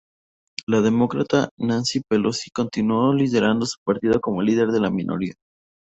La demócrata Nancy Pelosi continuó liderando su partido como Líder de la minoría.